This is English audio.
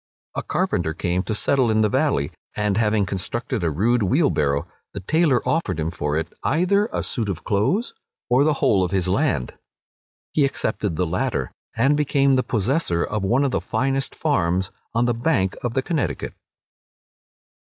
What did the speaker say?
A carpenter came to settle in the valley, and having constructed a rude wheelbarrow, the tailor offered him for it, either a suit of clothes, or the whole of his land! He accepted the latter, and became the possessor of one of the finest farms on the bank of the Connecticut.